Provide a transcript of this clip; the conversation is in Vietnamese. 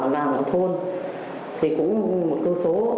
làm ở thôn thì cũng một cơ số